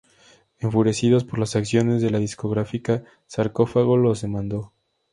Enfurecidos por las acciones de la discográfica, Sarcófago los demandó.